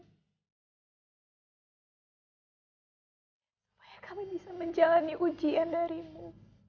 supaya kami bisa menjalani ujian darimu